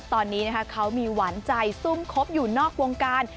ตอนนี้นะคะเขามีหวานใจซุ่มคบอยู่นอกวงการ